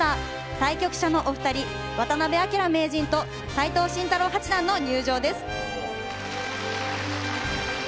対局者のお二人渡辺明名人と斎藤慎太郎八段の入場です。